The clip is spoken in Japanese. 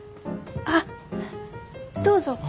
あっどうぞ。